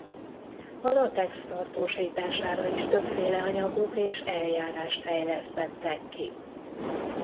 A latex tartósítására is többféle anyagot és eljárást fejlesztettek ki.